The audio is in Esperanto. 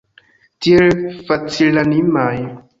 Tiel facilanimaj!